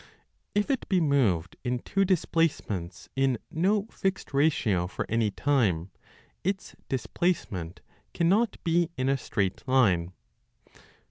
If it be moved in two displacements 25 in no fixed ratio for any time, its displacement cannot be in a straight line.